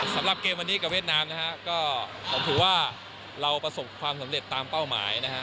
สำหรับเกมวันนี้กับเวียดนามนะฮะก็ผมถือว่าเราประสบความสำเร็จตามเป้าหมายนะฮะ